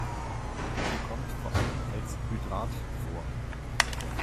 Sie kommt vor allem als Hydrat vor.